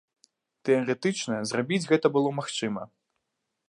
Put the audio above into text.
Тэарэтычна, зрабіць гэта было магчыма.